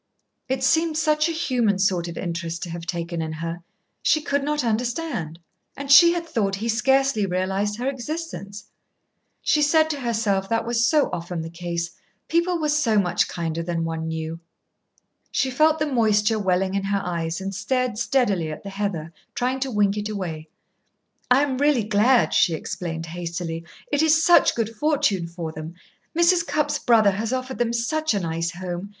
It seemed such a human sort of interest to have taken in her. She could not understand. And she had thought he scarcely realised her existence. She said to herself that was so often the case people were so much kinder than one knew. She felt the moisture welling in her eyes, and stared steadily at the heather, trying to wink it away. "I am really glad," she explained hastily. "It is such good fortune for them. Mrs. Cupp's brother has offered them such a nice home.